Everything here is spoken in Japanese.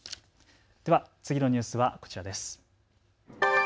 では次のニュースはこちらです。